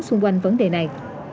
xung quanh vấn đề này